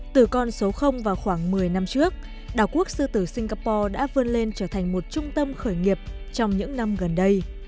từ con số vào khoảng một mươi năm trước đảo quốc sư tử singapore đã vươn lên trở thành một trung tâm khởi nghiệp trong những năm gần đây